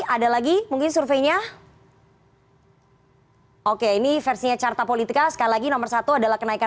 ada lagi mungkin surveinya oke ini versinya carta politika sekali lagi nomor satu adalah kenaikan